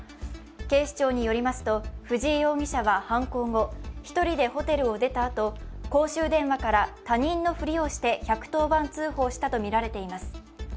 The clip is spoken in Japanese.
警視庁によりますと、藤井容疑者は犯行後、１人でホテルを出たあと、公衆電話から他人のふりをして１１０番通報したとみられています。